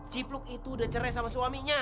cipluk itu udah cerai sama suaminya